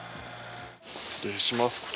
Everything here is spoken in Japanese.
失礼します。